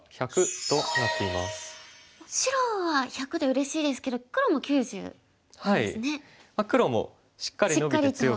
白は１００でうれしいですけど黒も９０ですね。